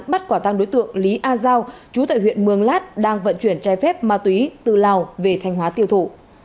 bắt quả tăng đối tượng lý a giao chú tại huyện mường lát đang vận chuyển trái phép ma túy từ lào về thanh hóa tiêu thụ